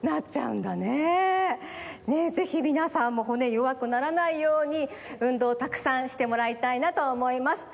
ぜひみなさんも骨よわくならないように運動をたくさんしてもらいたいなとおもいます。